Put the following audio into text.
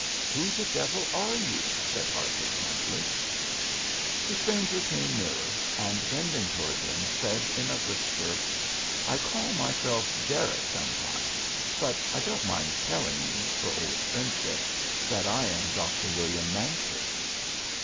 "Who the devil are you?" said Harper, bluntly. The stranger came nearer and, bending toward them, said in a whisper: "I call myself Jarette sometimes, but I don't mind telling you, for old friendship, that I am Dr. William Mancher."